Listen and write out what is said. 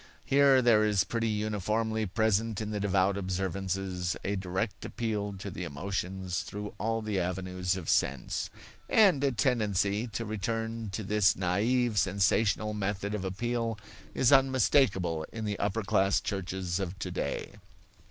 Here there is pretty uniformly present in the devout observances a direct appeal to the emotions through all the avenues of sense. And a tendency to return to this naive, sensational method of appeal is unmistakable in the upper class churches of today.